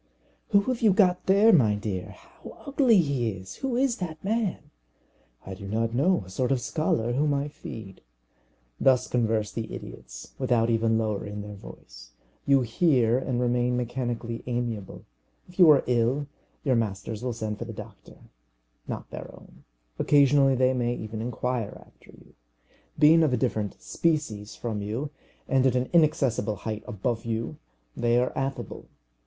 "Who have you got there, my dear? How ugly he is! Who is that man?" "I do not know. A sort of scholar, whom I feed." Thus converse these idiots, without even lowering their voice. You hear, and remain mechanically amiable. If you are ill, your masters will send for the doctor not their own. Occasionally they may even inquire after you. Being of a different species from you, and at an inaccessible height above you, they are affable.